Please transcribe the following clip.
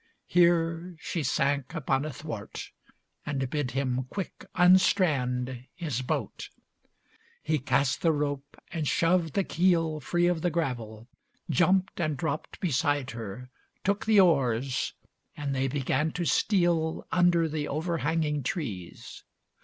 Here she sank Upon a thwart, and bid him quick unstrand LX His boat. He cast the rope, and shoved the keel Free of the gravel; jumped, and dropped beside Her; took the oars, and they began to steal Under the overhanging trees.